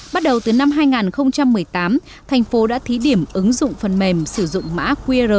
bắt đầu từ năm hai nghìn một mươi tám thành phố đã thí điểm ứng dụng phần mềm sử dụng mã qr